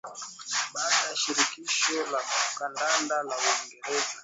Baada ya Shirikisho la Kandanda la Uingereza